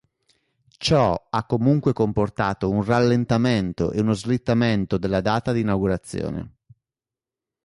Ciò ha comunque comportato un rallentamento e uno slittamento della data di inaugurazione.